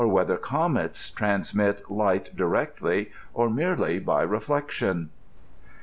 63 whether comets transmit light directly or merely by reflec tion.